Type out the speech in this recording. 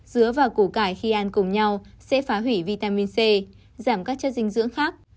dứa và củ cải khi ăn cùng nhau sẽ phá hủy vitamin c giảm các chất dinh dưỡng khác